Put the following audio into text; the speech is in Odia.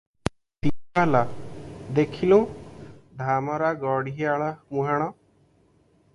ଦିନ ହେଲା, ଦେଖଲୁଁ, ଧାମରା ଘଡ଼ିଆଳ ମୁହାଣ ।